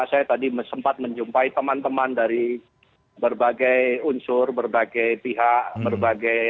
saya tadi sempat menjumpai teman teman dari berbagai unsur berbagai pihak berbagai